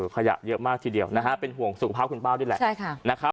ขยะเยอะมากทีเดียวเป็นห่วงสุขภาพคุณป้าด้วยแหละ